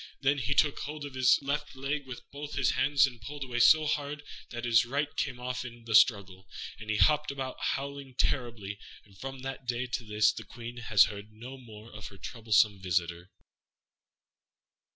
Then he took hold of his left leg with both his hands, and pulled away so hard that his right came off in the struggle, and he hopped away howling terribly. And from that day to this the Queen has heard no more of her troublesome visitor.